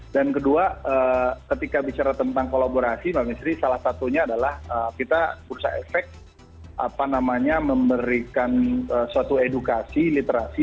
kedua ketika bicara tentang kolaborasi mbak misri salah satunya adalah kita berusaha efek apa namanya memberikan suatu edukasi literasi